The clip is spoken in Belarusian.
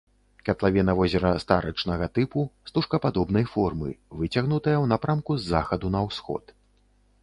Катлавіна возера старычнага тыпу, стужкападобнай формы, выцягнутая ў напрамку з захаду на ўсход.